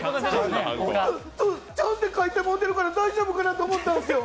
チャンと書いてもうてるから大丈夫かなと思ったんですけど